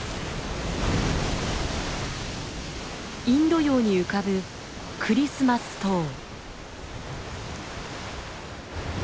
インド洋に浮かぶクリスマス島。